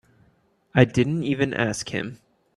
I didn't even ask him.